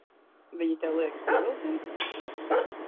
Viņa tev liekas pievilcīga?